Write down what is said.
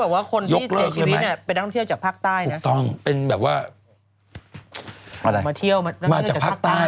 วันนี้แต่งตัวเหมือนตรีใหญ่